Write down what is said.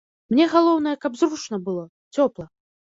Мне галоўнае, каб зручна было, цёпла.